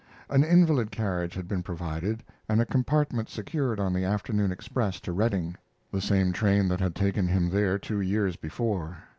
An invalid carriage had been provided, and a compartment secured on the afternoon express to Redding the same train that had taken him there two years before.